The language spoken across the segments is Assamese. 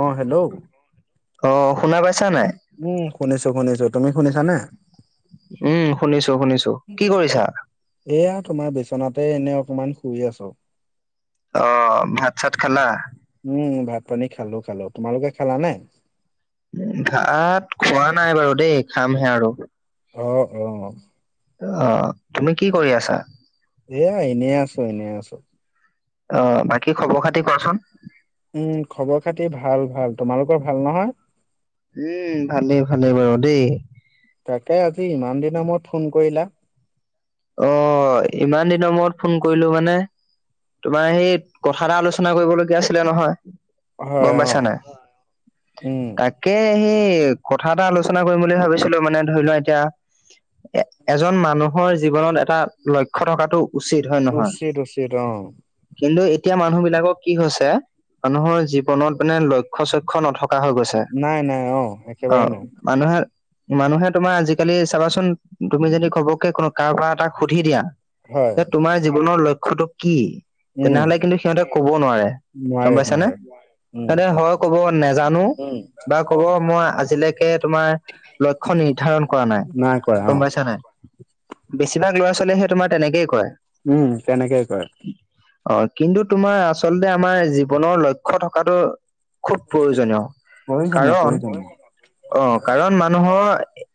অ হেল্ল'? অ, শুনা পাইছা নাই? উম শুনিছো শুনিছো, তুমি শুনিছা নে? উম শুনিছো শুনিছো, কি কৰিছা? এয়া তোমাৰ বিচনাতে এনে অকমান শুই আছো। অ, ভাত - চাত খালা? উম ভাত - পানী খালো খালো, তোমালোকে খালা নে? ভাত খোৱা নাই বাৰু দেই খামহে আৰু। অ অ। অ, তুমি কি কৰি আছা? এয়া এনেই আছো, এনেই আছো। অ, বাকী খবৰ খাতি কোৱাচোন? উম খবৰ খাতি ভাল ভাল, তোমালোকৰ ভাল নহয়? উম, ভালে ভালে বাৰু দেই। তাকে আজি ইমান দিনৰ মূৰত ফোন কৰিলা? অ, ইমান দিনৰ মূৰত ফোন কৰিলো মানে তোমাৰ সেই ক সাদা আলোচনা কৰিবলগীয়া আছিলে নহয় হয় গম অ পাইছা নাই? উম। তাক কে সেই কথা এটা আলোচনা কৰিম বুলি ভাবিছিলো মানে ধৰি লোৱা এতিয়া এ এজন মানুহৰ জীৱনত এটা লক্ষ্য থকাটো উচিত হয় নহয়? উচিত উচিত অ কিন্তু এতিয়া মানুহবিলাকৰ কি হৈছে? মানুহৰ জীৱনত মানে লক্ষ্য- চক্ষ্য নথ কা হৈ গৈছে নাই নাই অ অ। একেবাৰে নাই মানুহে - মানুহে তোমাৰ আজিকালি চাবাচোন তুমি যদি ঘৱকে কোনো কাৰোবাক এটা সুধি দিয়া হয়। যে তোমাৰ জীৱনৰ লক্ষ্যটো কি? উম। তেনেহলে কিন্তু সিহঁতে ক'বও নোৱাৰে নোৱাৰে গম পাইছানে? নোৱাৰে উম তাতে হয় কব নেজানো? উম বা কব মই আজিলৈকে তোমাৰ লক্ষ্য নিৰ্ধাৰণ কৰা নাই, কৰা অ গম পাইছা নাই? বেছিভাগ ল'ৰা - ছোৱালীয়েহে তোমাৰ তেনেকেই কয়। উম তেনেকে কয়। অ কিন্তু তোমাৰ আচলতে আমাৰ জীৱনৰ লক্ষ্য থকাটো খুব প্ৰয়োজনীয় প্ৰয়োজনীয় কাৰণ প্ৰয়োজনীয় অ কাৰণ মানুহৰ এ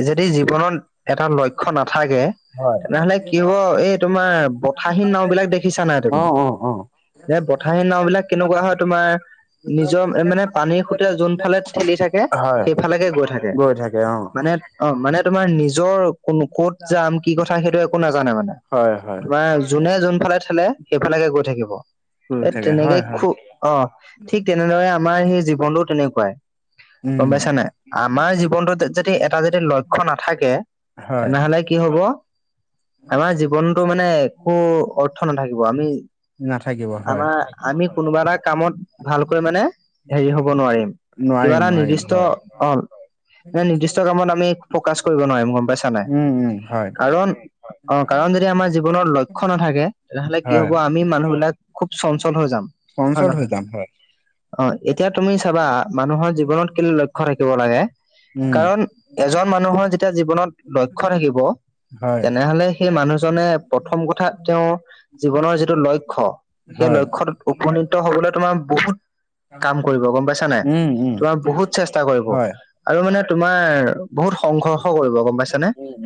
এ যদি জীৱনত এটা লক্ষ্য নাথাকে হয়। তেনেহলে কি হব এই তোমাৰ বতাহীন নাওবিলাক দেখিছা নাই অ', তুমি? অ', অ', যে বঠাহীন নাওবিলাক কেনেকুৱা হয় তোমাৰ নিজৰ এ মানে পানীৰ সোঁতে যোনফালে ঠেলি থাকে হয়। সেইফালেকে গৈ থাকে মানে অ মানে তোমাৰ নিজৰ কোনো ক'ত যাম? কি কথা সেইটো একো নাজানে মানে। হয়, হয়, তোমাৰ যোনে যোনফালে থেলে সেইফালেকে গৈ থাকিব গৈ এ থাকে তেনেকে হয়, হয়, খু অ ঠিক তেনেদৰে আমাৰ সেই জীৱনটো তেনেকুৱাই উম, গম পাইছা নাই আমাৰ জীৱনটোত যদি এটা যদি লক্ষ্য নাথাকে হয়। তেনেহলে কি হব আমাৰ জীৱনটো মা মানে একো অৰ্থ নাথাকিব আমি নাথাকি আমাৰ আমি কোনোবা এটা কামত ভালকৈ মানে হেৰি হ'ব নোৱাৰিম কিবা নোৱাৰিম, এটা নোৱাৰিম নিৰ্দিষ্ট হয়, অ' নিৰ্দিষ্ট কামত আমি ফ'কাচ কৰিব নোৱাৰিম গম পাইছা নাই উম উম হয় কাৰণ অ' কাৰণ যদি আমাৰ জীৱনৰ লক্ষ্য নাথাকে, তেনেহ'লে কি হয়। হ'ব আমি মানুহ বিলাক খুব চঞ্চল হৈ যাম হয় চঞ্চল হৈ নহয় যাম হয় অ এতিয়া তুমি চাবা মানুহৰ জীৱনত কেলৈলক্ষ থাকিব লাগে উম, কাৰণ এজন মানুহৰ যেতিয়া জীৱনত লক্ষ্য থাকিব হয়, তেনেহ'লে সেই মানুহজনে প্ৰথম কথা তেওঁ জীৱনৰ যিটো লক্ষ্য, সেই হয়, লক্ষ্যটোত উপনীত হ'বলৈ তোমাৰ বহুত কাম কৰিব, গম পাইছা নে নাই উম, উম, তোমাৰ বহুত চেষ্টা কৰিব। হয়, আৰু মানে তোমাৰ বহুত সংঘৰ্ষ কৰিব গম পাইছ উম।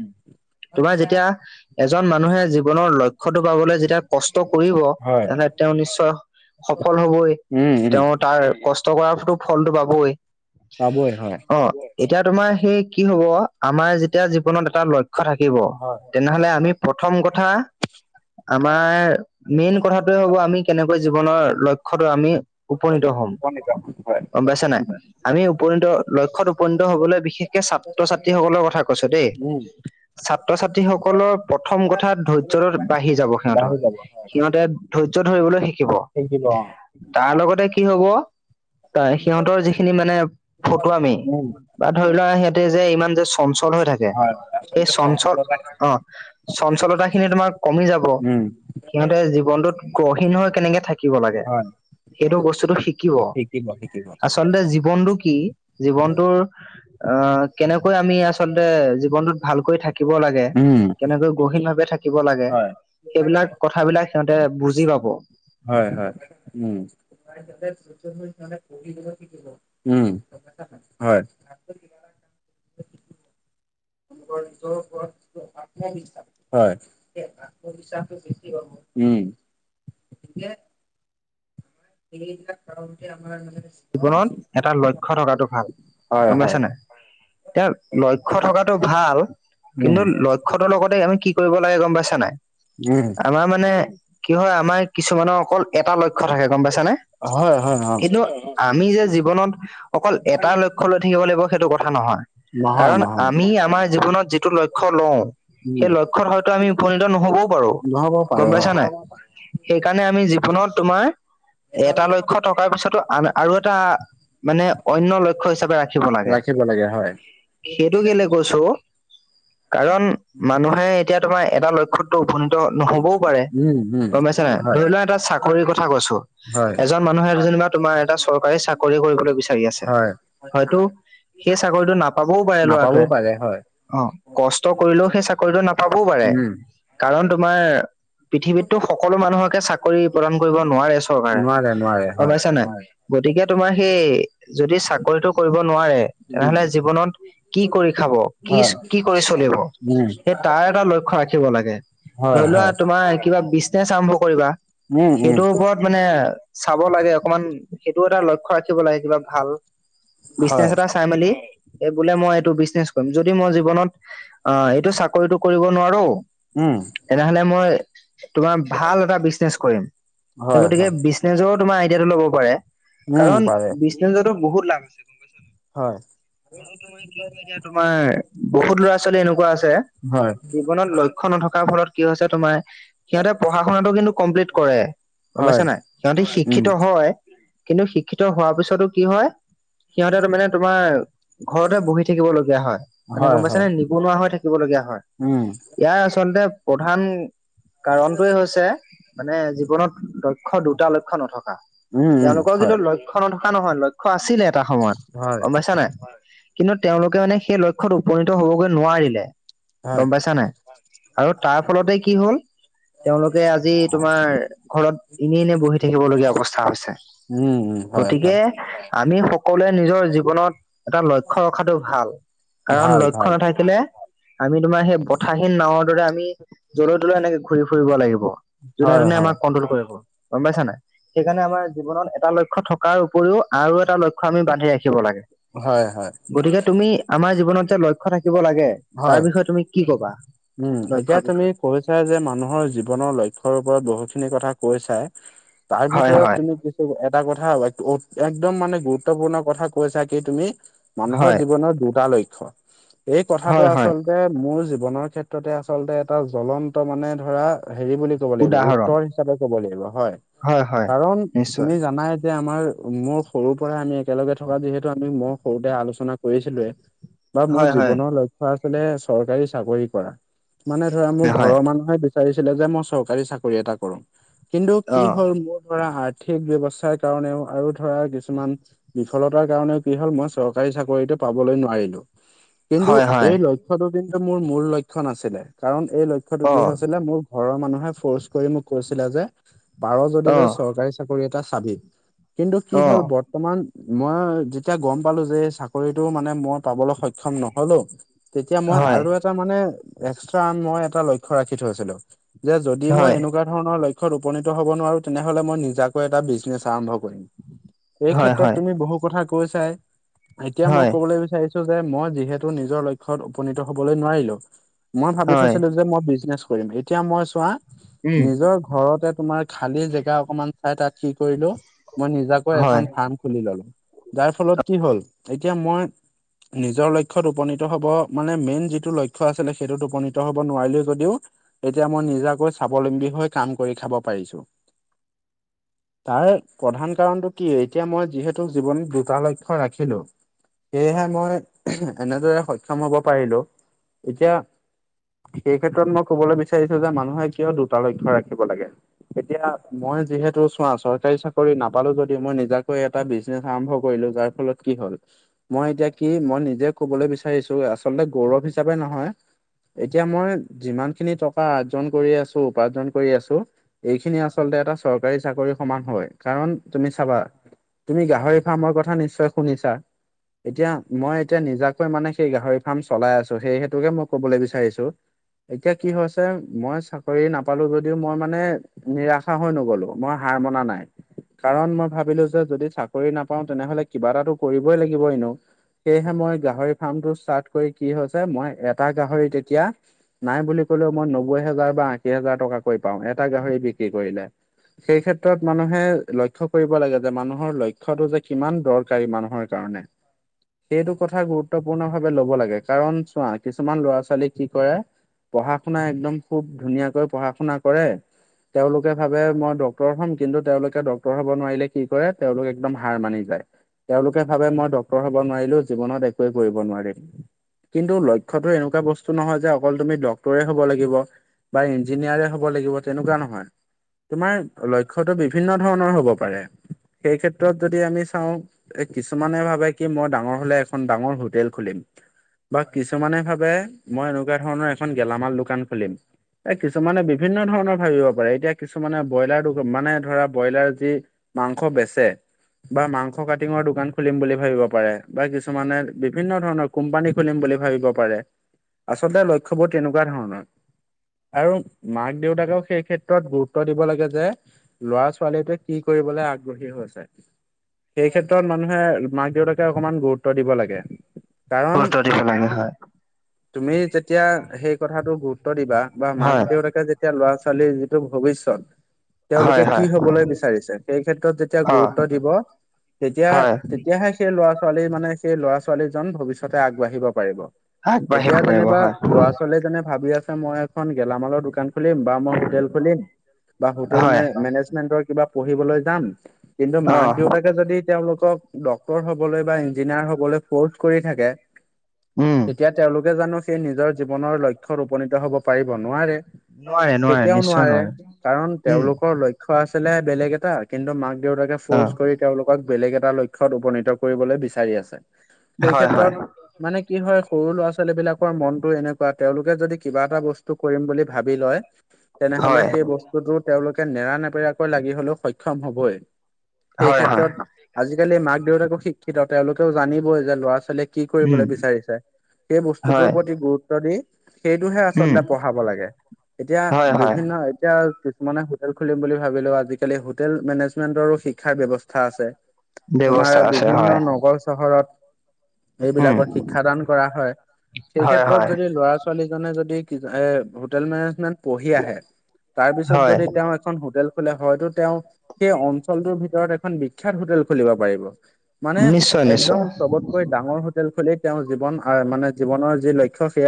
এজন মানুহে জীৱনৰ লক্ষ্যটো পাবলৈ যেতিয়া কষ্ট কৰিব, হয়, তেনেহ'লে তেওঁ নিশ্চ সফল হ'বই, উম, উম, তেঁও তাৰ কষ্ট কৰাৰটো ফলটো পাবই, পাবই হয়, অহ এতিয়া তোমাৰ সেই কি হ'ব, আমাৰ যেতিয়া জীৱনত এটা ল ক্ষ্য থাকিব, হয়, তেনেহ'লে আমি প্ৰথম কথা আমাৰ মেইন কথাটোৱে হ'ব আমি কেনেকৈ জীৱনৰ লক্ষ্যতো আমি উপনীত হম হয় গম পাইছা নাই উম আমি উপনীত, লক্ষ্যত উপনীত হ'বলৈ বিশেষকে ছাত্ৰ-ছাত্ৰীসকলৰ কথা কৈছোঁ দেই উম, ছাত্ৰ-ছাত্ৰীসকলৰ প্ৰথম কথা ধৈ ৰ্য্যৰৰ বাঢ়ি যাব সিহঁতৰ, সিহঁতে ধৈৰ্য্য ধৰিবলৈ শিকিব শিকিব অ' তাৰ লগতে কি হ'ব ত সিহঁতৰ যিখিনি মানে ফটোআমি উম বা ধৰিলোৱা সিহঁতে যে ইমান যে চঞ্চল হৈ থাকে, হয়, হয় সেই আচলতে চঞ্চল চঞ্চলতা অ চঞ্চলতা খিনি তোমাৰ কমি যাব, উম, সিহঁতে জীৱনতোত গহীন হৈ কেনেকে থা কিব লাগে হয়, সেইটো বস্তুটো শিকিব, আচলতে জী জীৱনটো কি? জীৱনটোৰ অ কেনেকৈ আমি আচলতে জীৱনটোত ভালকৈ থাকিব লাগে, উম, কেনেকৈ গহীন ভাৱে থাক কিব লাগে, হয়, সেইবিলাক কথাবিলাক সিহঁতে বুজি পাব। হয় হয় উম। উম হয় [unintelligible] [unintelligible] হয় উম [unintelligible] [unintelligible] জীৱনত এটা লক্ষ্য থকাটো ভাল হয়, গম পাইছা হয়, নাই? তিয়া লক্ষ্য থকাটো ভাল কিন্তু উম, ল ক্ষ্য লগতে আমি কি কৰিব লাগে, গম পাইছা নাই, উম, আমাৰ মানে কি হয় আমাৰ কিছুমানৰ অকল এটা লক্ষ্য থাকে, গম পাইছানে হয় হয়, অ কিন্তু আমি যে জীৱনত অকল এটা লক্ষ্য লৈ থাকিব লাগিব সেইটো কথা নহয় নহয়, কাৰণ নহয়, আমি আমি আমাৰ জীৱনত যিটো লক্ষ্য লওঁ উম, সেই লক্ষ্য হয়তো আমি উপনীত নহ'বও পাৰোঁ নহ'ব গম পাৰে অ, পাইছা নাই? সেইকাৰণে আমি জীৱনত তোমাৰ এটা লক্ষ্য থকাৰ পিছতো আন আৰু এটা মানে অন্য লক্ষ্য হিচাপে ৰাখিব লাগে ৰাখিব লাগে হয়, সেইটো কেলে কৈছো কাৰণ মানুহে এতিয়া তোমাৰ এটা লক্ষ্যত টো উপনীত নহ'বও পাৰে উম, উম, গম পাইছা নাই হয়। ধৰি লোৱা এটা চাকৰি কথা কৈছো হয়, এজন মানুহে যেনিবা তোমাৰ এটা চৰকাৰী চাকৰি কৰিবলৈ বিচাৰি আছে হয়, হয়তো সেই চাকৰিটো নাপাবও পাৰে নাপাবও লৰাটোৱে পাৰে হয়, অ কষ্ট কৰিলেও সেই চাকৰিটো নাপাবও পাৰে উম, কাৰণ তোমাৰ পৃথিৱীততো সকলো মানুহকে চাকৰি প্ৰদান কৰিব নোৱাৰে চৰকাৰে নোৱাৰে, নোৱাৰে গম হয়, পাইছা নাই? উম, গতিকে তোমাৰ সেই যদি চাকৰিটো কৰিব নোৱাৰে, উম, তেনেহ'লে জীৱনত- কি কৰি খাব? হয়, কিচ, কি কৰি চলিব? উম, সেই তাৰে এটা লক্ষ্য ৰাখিব লাগে। হয়, ধৰি লোৱা হয়, তো তোমাৰ এই কিবা বিজনেচ আৰম্ভ কৰিবা, উম, উম, সেইটোৰ ওপৰত মানে চাব লাগে অকনমান সেইটো এটা লক্ষ্য ৰাখিব লাগে কিবা ভাল বিজনেছ হয়, এটা চাই মেলি এই বোলে মই এইটো বিজনেছ কৰি যদি মই জীৱনত অ এইটো চাকৰিটো কৰিব নোৱাৰো উম, তেনেহলে মই তোমাৰ ভাল এটা বিজনেচ কৰিম সেই হয়, গতিকে হয়, বিজনেছৰ তোমাৰ আইডিয়াটো ল'ব পাৰে উম, কাৰণ পাৰে বিজনেজতো বহুত লাভ আছে গম পাইছা নাই হয় [unintelligible] এতিয়া তোমাৰ বহুত ল'ৰা ছোৱালী এনেকুৱা আছে হয়, জীৱনত ল ক্ষ্য নথকাৰ ফলত কি হৈছে তোমাৰ সিহঁতে পঢ়া শুনাটো কিন্তু কমপ্লিট কৰে গম হয়, পাইছা নাই সিহঁতি উম, শিক্ষিত হয় কিন্তু শিক্ষিত হোৱাৰ পিছতো কি হয় সিহঁতে ত মানে তোমাৰ ঘৰতে বহি থাকিব লগীয়া হয় মানে হয়, গম পাইছে হয়, নে নিবনুৱা হৈ থাকিবলগীয়া হয় উম ইয়াৰ আচলতে প্ৰধান কাৰণটোৱে হৈছে মানে জীৱনত লক্ষ্য দুটা লক্ষ্য নথকা উম, উম, তেওঁলোকৰ কিন্তু হয়, লক্ষ্য নথকা নহয় লক্ষ্য আছিলে এটা সময়ত হয়, গম পাইছা নাই কিন্তু তেওঁলোকে মানে সেই লক্ষ্যত উপনীত হবগৈ নোৱাৰিলে হয়। গম পাইছা নাই। আৰু তাৰ ফলতে কি হ'ল তেওঁলোকে আজি তোমাৰ ঘৰত এনেই এনে বহি থাকিব লগীয়া অৱস্থা হৈছে উম উম হয় গতিকে হয় আমি সকলোৱে নিজৰ জীৱনত এটা লক্ষ্য ৰখাটো ভাল কাৰণ ভাল, লক্ষ্য ভাল, নাথাকিলে আমি তোমাৰ সেই ব ঠাহীন নাৱৰ দৰে আমি জলৈ তলৈ এনেকে ঘূৰি ফুৰিব লাগিব যোনে হয়, তোনে হয়, আমাক কণ্ট্ৰল কৰিব গম পাইছা নাই সেইকাৰণে আমাৰ জীৱনত এটা লক্ষ্য থকাৰ উপৰিও আৰু এটা লক্ষ্য আমি বান্ধি ৰাখিব লাগে। হয় হয়। গতিকে তুমি আমাৰ জীৱনত যে লক্ষ্য থাকিব লাগে হয়, তাৰ বিষয়ে তুমি কি ক'বা? উম, এতিয়া লক্ষ্যৰ তুমি বিষয়ে? কৈছা যে মানুহৰ জীৱনৰ লক্ষ্যৰ ওপৰত বহু খিনি কথা কৈছা। তাৰ হয় ভিতৰত হয় তুমি এটা কথা একদম মানে গুৰুত্বপূৰ্ণ কথা কৈছা কি তুমি মানুহৰ হয় জীৱনৰ দুটা লক্ষ্য। এই কথাটো হয় হয় আচলতে মোৰ জীৱনৰ ক্ষেত্ৰতে আচলতে এটা জ্বলন্ত মানে ধৰা হেৰি বুলি ক'ব লাগিব, উদাহৰণ উত্তৰ হিচাপে ক'ব লাগিব, হয়' হয় কাৰণ নিশ্চয় তুমি জানাই যে আমাৰ মোৰ সৰুৰ পৰা আমি একেলগে থকা যিহেতু আমি মই সৰুতে আলোচনা কৰিছিলোৱেই [unintelligible] বা মোৰ হয় জীৱনৰ লক্ষ্য আছিলে চৰকাৰী চাকৰি কৰা। মানে ধৰা মোৰ হয় ঘৰৰ মানুহে বিচাৰিছিলে যে মই চৰকাৰী চাকৰি এটা কৰো। কিন্তু অ কি হ'ল মোৰ ধৰা আ আৰ্থিক ব্যৱস্থাৰ কাৰণেও আৰু ধৰা কিছুমান বিফলতাৰ কাৰণেও কি হ'ল মই চৰ কাৰি চাকৰিটো পাবলৈ নোৱাৰিলো। কিন্তু হয় হয় এই লক্ষটো কিন্তু মোৰ মূল লক্ষয় নাছিলে, কাৰণ এই লক্ষটো কি অ', হৈছিলে মোৰ ঘৰৰ মানুহে ফৰ্চ কৰি মোক কৈছিলে যে পাৰ যদি তই অ', চৰকাৰী চাকৰি এটা চাবি। কিন্তু কি হ'ল অ', বত বৰ্তমান মই যেতিয়া গম পালো যে চাকৰিটো মানে মই পাবলৈ সক্ষম নহলো তেতিয়া মই হয়, আৰু এটা মানে এক্সট্ৰা মই এটা লক্ষ্য ৰাখি থৈছিলো। যে যদি মই হয়, এনেকুৱা ধৰণৰ লক্ষ্যয়ত উপনীত হ'ব নোৱাৰো তেনেহলে মই নিজাকৈ এটা বিজনেছ আৰম্ভ কৰিম। এই হয়, ক্ষেত্ৰত হয়, তুমি বহু কথা কৈছাই, এতিয়া মই হয়, ক'বলৈ বিচাৰিছো যে মই যিহেতু নিজৰ লক্ষ্যয়ত উপনীত হ'বলৈ নোৱাৰিলো, মই ভাবি হয়, থৈছিলো যে মই বিজনেছ কৰিম, এতিয়া মই চোৱা উম, নিজৰ ঘৰতে তোমাৰ খালি জেগা অকমান- চাই তাত কি কৰিলো মই নিজাকৈ হয়, এখন ফাৰ্ম খুলি ললো। যাৰ ফলত কি হ'ল এতিয়া মই নিজৰ লক্ষত উপনীত হ'ব মানে মেইন যিটো লক্ষ্য আছিলে সেইটোত উপনীত হ'ব নোৱাৰিলেও যদিও এতিয়া মই নিজাকৈ স্বাৱলম্বী হৈ কাম কৰি খাব পাৰিছো। [unintelligible] তাৰে প্ৰধান কাৰণটো কি এতিয়া মই যিহেতু জীৱনত দুটা লক্ষ্য ৰাখিলো সেয়েহে মই এনেদৰে সক্ষম হ'ব পাৰিলো। এতিয়া সেই ক্ষেত্ৰত মই ক'বলৈ বিচাৰিছো যে মানুহে কিয় দুটা লক্ষ্য ৰাখিব লাগে। এতিয়া মই যিহেতু চোৱা, চৰকাৰী চাকৰি নাপালো যদিও মই নিজাকৈ এটা বিজনেছ আৰম্ভ কৰিলো যাৰ ফলত কি হ'ল মই এতিয়া কি মই নিজে ক'বলৈ বিচাৰিছো আচলতে গৌৰৱ হিচাপে নহয়। এতিয়া মই যিমান খিনি টকা আৰ্জন কৰি আছো উপাৰ্জন কৰি আছো এইখিনি আচলতে এটা চৰকাৰী চাকৰি সমান হয় কাৰণ তুমি চাবা তুমি গাহৰি ফাৰ্মৰ কথা নিশ্চয় শুনিছা? এতিয়া মই এতিয়া নিজাকৈ মানে সেই গাহৰি ফাৰ্ম চলাই আছো সেই হেতুকে মই ক'বলৈ বিচাৰিছো, এতিয়া কি হৈছে মই চাকৰি নাপালো যদিও মই মানে নিৰাশা হৈ নগলো মই হাৰ মনা নাই। কাৰণ মই ভাবিলো যে যদি চাকৰি নাপাও তেনে হ'লে কিবা এটাটো কৰিবই লাগিব এনেও। সেয়েহে মই গাহৰি ফাৰ্মটো ষ্টাৰ্ট কৰি কি হৈছে মই এটা গাহৰি তেতিয়া নাই বুলি কলেও মই নব্বৈ হাজাৰ বা আশী হাজাৰ টকাকৈ পাওঁ এটা গাহৰি বিক্ৰী কৰিলে। সেই ক্ষেত্ৰত মানুহে লক্ষ্য কৰিব লাগে যে মানুহৰ লক্ষ্যটো যে কিমান দৰকাৰী মানুহৰ। কাৰণে সেইটো কথা গুৰুত্বপূৰ্ণ ভাৱে লব লাগে কাৰণ চোৱা- কিছুমান ল'ৰা ছোৱালী কি কৰে পঢ়া শুনা একদম খুব ধুনীয়াকৈ পঢ়া শুনা কৰে- তেওঁলোকে ভাবে মই ডক্তৰ হম কিন্তু তেওঁলোকে ডক্টৰ হব নোৱাৰিলে কি কৰে তেওঁলোকে একদম হাৰ মানি যায়। তেওঁলোকে ভাবে মই ডক্তৰ হব নোৱাৰিলো জীৱনত একোৱেই কৰিব নোৱাৰিল কিন্তু লক্ষ- লক্ষ্যটো এনেকুৱা বস্তু নহয় যে অকল তুমি ডক্তৰে হ'ব লাগিব, বা ইঞ্জিনিয়াৰে হ'ব লাগিব তেনেকুৱা নহয়। তোমাৰ লক্ষ্যতো বিভিন্ন ধৰণৰ হব পাৰে সেই ক্ষেত্ৰত যদি আমি চাওঁ, যে কিছুমানে ভাবে কি মই ডাঙৰ হলে এখন ডাঙৰ হোটেল খুলিম বা কিছু- কিছুমানে ভাবে মই এনকুৱা ধৰণৰ এখন গেলামাল দোকান খুলিম। এ কিছুমানে বিভিন্ন ধৰণৰ ভাবিব পাৰে এতিয়া কিছুমানে ব্ৰইলাৰ মানে ধৰা ব্ৰইলাৰ যি- মাংস বেচে- বা মাংস কাটিঙৰ দোকান খুলিম বুলি ভাবিব পাৰে বা কিছুমানে বিভিন্ন ধৰণৰ কোম্পানী খুলিম বুলি ভাবি- আচলতে লক্ষ্যবোৰ তেনেকুৱা ধৰণৰ। আৰু মাক দেউতাকক সেই ক্ষেত্ৰত গুৰুত্ব দিব লাগে যে- লৰা ছোৱালীৱে যে কি কৰিবলে আগ্ৰহী হৈছে। সেই ক্ষেত্ৰত মানুহে মাক দেউতাকে অকমান গুৰুত্ব দিব লাগে কাৰণ, - গুৰুত্ব লাগে হয়। তুমি যেতিয়া সেই কথাটো গুৰুত্ব দিবা বা মাক হয়, দে দেউতাকে যেত- তিয়া ল'ৰা ছোৱালীৰ যিটো ভৱিষ্যত- হয়, তেওঁলোকে কি হয়, হবলৈ বিচাৰিছে সেই ক্ষেত্ৰত যেতিয়া অ', গুৰুত্ব দিব তেতিয়া হয়, তেতিয়াহে- সেই ল'ৰা ছোৱালী মানে সেই ল'ৰা ছোৱালীজন ভৱিষ্যতে আগবাঢ়িব পাৰিব। আগবাঢ়িব এতিয়া পাৰিব যেনিবা হয়, ল'ৰা ছোৱালী জনে ভাবি আছে মই এখন গেলামালৰ দোকান- খুলিম বা মই হোটেল খুলিম বা হোটেল হয়, মেনেজমেন্টৰ কিবা পঢ়িবলৈ যাম- কিন্তু, মাক অ', দেউতাকে যদি তেওঁলোকক ডক্তৰ হবলৈ বা ইঞ্জিনিয়াৰ হবলৈ ফ'ৰ্চ কৰি থাকে- উম, তেতিয়া তেওঁলোকে জানো সেই নিজৰ জীৱনৰ লক্ষ্যত উপনীত হব পাৰিব নোৱাৰে। কেতিয়াও নোৱাৰে কাৰণ উম, তেওঁলোকৰ লক্ষ- ক্ষ আছিলে বেলেগ এটা কিন্তু মাক দেউতাকে অ', ফ'ৰ্চ কৰি- তেওঁলোকক বেলেগ এটা লক্ষ্যত উপনীত কৰিবলৈ বিচাৰি আছে সেই হয়, হয়, ক্ষেত্ৰত- মানে কি হয় সৰু ল'ৰা ছোৱালী বিলাকৰ মনটো এনেকুৱা [unintelligible] তেওঁলোকে যদি কিবা এটা বস্তু কৰিম বুলি ভাবি লয় [inaudible] তেনেহলে সেই বস্তুটো তেওঁলোকে নেৰা- নেপেৰাকৈ লাগি হলও সক্ষম হবই। সেই হয়, হয়, ক্ষেত্ৰত আজিকালিৰ মাক দেউতাকো শিক্ষিত তেওঁলোকেও জানিবই যে ল'ৰা ছোৱালীয়ে কি- উম, কৰিবলৈ বিচাৰিছে। সেই হয়, বস্তুটোৰ প্ৰতি গুৰুত্ব দি সেইটোহে উম, আচলতে পঢ়াব লাগে। এতিয়া হয়, হয়, বিভিন্ন এতিয়া- কিছুমানে হোটেল খুলিম বুলি ভাবিলো আজিকালি হোটেল মেনেজমেন্টৰো শিক্ষাৰ ব্যৱস্থা আছে। তোমাৰ ব্যৱস্থা আছে বিভিন্ন হয়, নগৰ চহৰত- উম, এইবিলাকত শিক্ষাদান কৰা হয় সেই হয়, ক্ষেত্ৰত হয়, যদি লৰা ছোৱালীজনে যদি চিধাই- হোটেল মেনেজমেন্ট পঢ়ি আহে তাৰ পিছত হয়, যদি তেওঁ- এখন হোটেল খোলে হয়টো তেওঁ সেই অঞ্চলটোৰ ভিতৰত এখন বি- বিখ্যাত হোটেল খুলিব পাৰিব মানে নিশ্চয়, একদম নিশ্চয়। চবত- কৈ ডাঙৰ হোটেল খুলি তেওঁৰ জীৱন আহ মানে জীৱনৰ যি লক্ষ্য সেয়া-